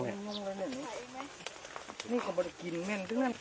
โอ้ยโอ้เพิ่งดึงเพิ่งดึง